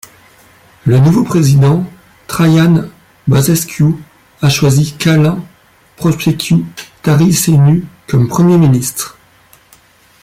Le nouveau président Traian Băsescu a choisi Călin Popescu-Tăriceanu comme Premier ministre.